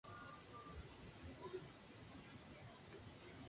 Se distribuye por Dakota del Norte, Dakota del Sur, y Wyoming.